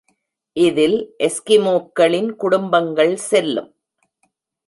இதில் எஸ்கிமோக்களின் குடும்பங்கள் செல்லும்.